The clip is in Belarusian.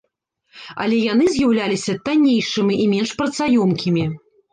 Але яны з'яўляліся таннейшымі і менш працаёмкімі.